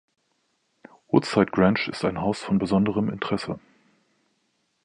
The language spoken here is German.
Woodside Grange ist ein Haus von besonderem Interesse.